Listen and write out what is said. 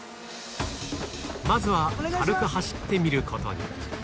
まずは、軽く走ってみることに。